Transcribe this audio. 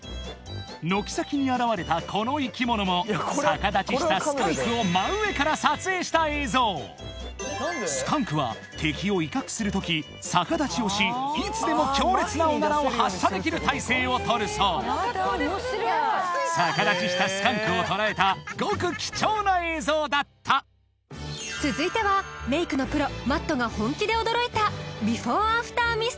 軒先に現れたこの生き物も逆立ちしたスカンクを真上から撮影した映像スカンクは敵を威嚇する時逆立ちをしいつでも強烈なおならを発射できる体勢をとるそう逆立ちしたスカンクを捉えたごく貴重な映像だった続いてはこちらの女性